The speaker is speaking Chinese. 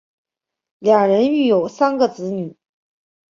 两人育有三个子女。